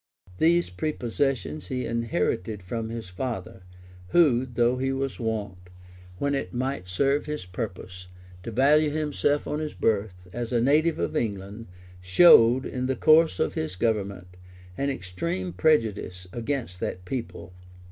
These prepossessions he inherited from his father; who, though he was wont, when it might serve his purpose, to value himself on his birth, as a native of England,[] showed, in the course of his government, an extreme prejudice against that people.